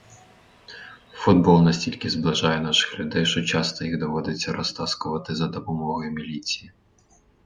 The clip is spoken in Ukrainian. Футбол настільки зближає наших людей, що часто їх доводиться розтаскувати за допомогою міліції